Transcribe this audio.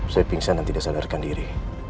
saya pingsan dan tidak sadarkan diri